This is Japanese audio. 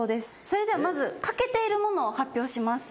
それではまず欠けているものを発表します。